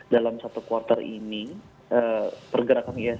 dalam satu kuartal ini pergerakan ihsg